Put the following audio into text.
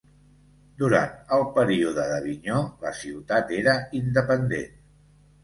Durant el període d'Avinyó la ciutat era independent.